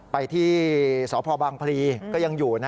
ไปที่สพบางพลีก็ยังอยู่